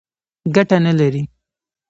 ګټه نه لري.